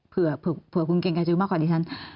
เผื่อคุณเกียงไกลจะรู้มากกว่าดีฉัน